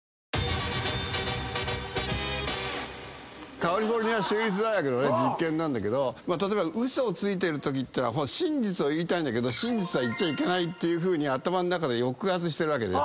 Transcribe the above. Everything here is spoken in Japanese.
カリフォルニア州立大学の実験なんだけど例えばウソをついてるときって真実を言いたいんだけど言っちゃいけないというふうに頭の中で抑圧してるわけだよ。